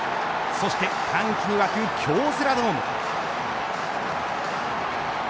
そして、歓喜に沸く京セラドーム。